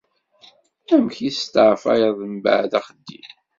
Amek i testeɛfayeḍ mbeɛd axeddim?